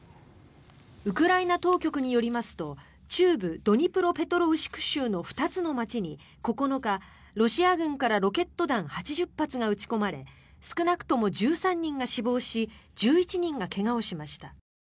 ウクライナ当局によりますと中部ドニプロペトロウシク州の２つの街に９日、ロシア軍からロケット弾８０発が撃ち込まれ少なくとも１３人が死亡し１１人が怪我をしました。